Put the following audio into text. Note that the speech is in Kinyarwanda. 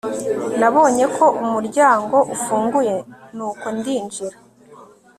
Nabonye ko umuryango ufunguye nuko ndinjira